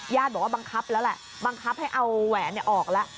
บอกว่าบังคับแล้วแหละบังคับให้เอาแหวนออกแล้ว